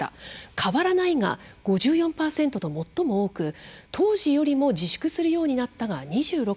「変わらない」が５４％と最も多く「当時よりも自粛するようになった」が２６．６％。